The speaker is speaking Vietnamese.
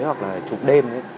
hoặc là chụp đêm